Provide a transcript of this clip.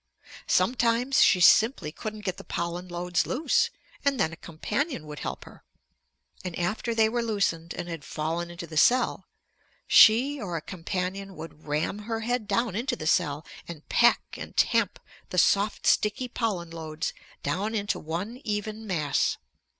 Sometimes she simply couldn't get the pollen loads loose, and then a companion would help her. And after they were loosened and had fallen into the cell, she or a companion would ram her head down into the cell and pack and tamp the soft sticky pollen loads down into one even mass.